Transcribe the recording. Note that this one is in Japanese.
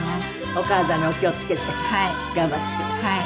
お体にお気を付けて頑張ってください。